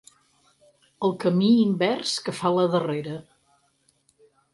El camí invers que fa la darrera.